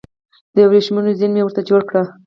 د وریښمو زین مې ورته جوړ کړ